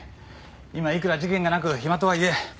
今いくら事件がなく暇とはいえ。